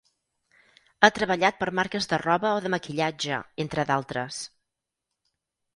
Ha treballat per marques de roba o de maquillatge, entre d'altres.